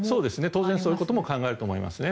当然そういうことも考えると思いますね。